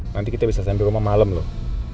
nanti kita bisa sambil rumah malam loh